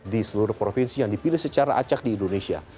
di seluruh provinsi yang dipilih secara acak di indonesia